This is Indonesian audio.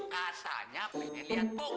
kasanya pengen liat bu